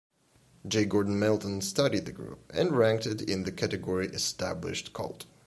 J. Gordon Melton studied the group and ranked it in the category "established cult".